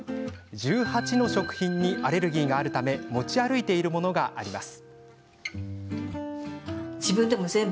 １８の食品にアレルギーがあるため持ち歩いているものがあります。